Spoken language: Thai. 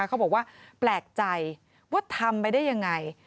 เขาบอกว่าแปลกใจว่าทำไปได้ยังไง